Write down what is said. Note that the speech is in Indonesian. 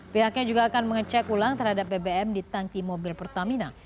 pihaknya juga akan mengecek ulang terhadap bbm di tangki mobil pertamina